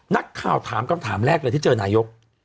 นักข้าวถามการถามแรกอะไรที่เจอกับนายก